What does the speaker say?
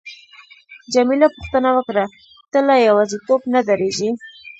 جميله پوښتنه وکړه: ته له یوازیتوب نه ډاریږې؟